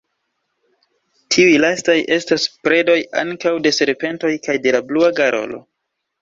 Tiuj lastaj estas predoj ankaŭ de serpentoj kaj de la Blua garolo.